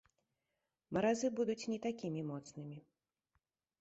Маразы будуць не такімі моцнымі.